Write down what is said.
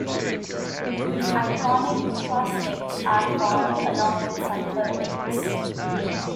These ionic crosslinks are formed along with sulfur links.